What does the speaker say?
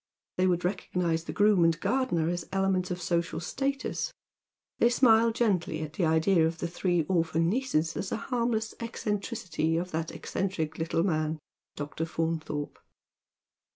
They would recognise the groom and gardener as elements of social status. They smile gently at the idea of the three orphan nieces as a harmless eccentricity of that eccentric little man, Dr. Faunthorj^.